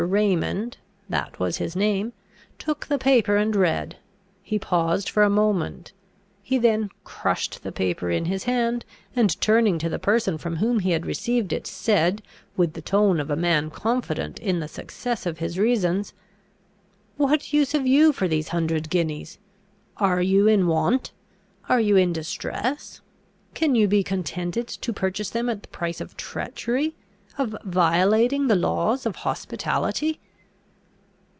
Raymond (that was his name) took the paper, and read. He paused for a moment. He then crushed the paper in his hand; and, turning to the person from whom he had received it, said, with the tone of a man confident in the success of his reasons, "What use have you for these hundred guineas? Are you in want? Are you in distress? Can you be contented to purchase them at the price of treachery of violating the laws of hospitality?"